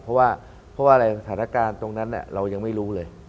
เพราะว่าฐานการณ์ตรงนั้นเนี่ยเรายังไม่รู้เลย